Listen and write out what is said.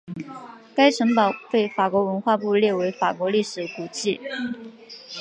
该城堡被法国文化部列为法国历史古迹。